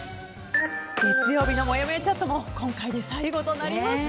月曜日のもやもやチャットも今回で最後となりました。